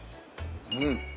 うん。